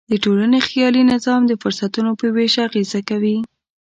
د ټولنې خیالي نظام د فرصتونو په وېش اغېز کوي.